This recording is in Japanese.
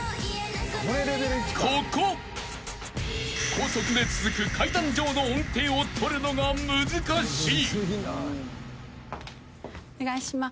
［高速で続く階段状の音程を取るのが難しい］